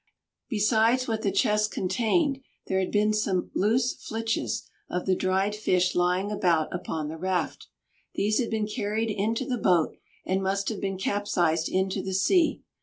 Besides what the chest contained there had been some loose flitches of the dried fish lying about upon the raft. These had been carried into the boat, and must have been capsized into the sea.